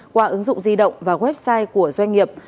qua ứng dụng di động và website của doanh nghiệp